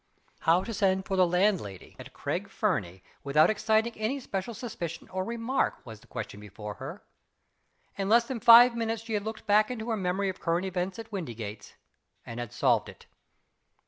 How to send for the landlady at Craig Fernie, without exciting any special suspicion or remark was the question before her. In less than five minutes she had looked back into her memory of current events at Windygates and had solved it.